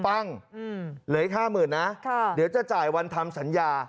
ปั้งอืมเหลืออีกห้าหมื่นนะค่ะเดี๋ยวจะจ่ายวันทำสัญญา